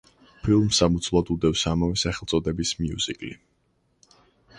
ფილმს საფუძვლად უდევს ამავე სახელწოდების მიუზიკლი.